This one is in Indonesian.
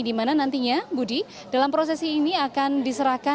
di mana nantinya budi dalam prosesi ini akan diserahkan